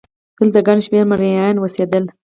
دلته ګڼ شمېر مریان اوسېدل.